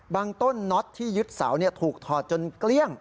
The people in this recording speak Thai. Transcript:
ต้นน็อตที่ยึดเสาถูกถอดจนเกลี้ยง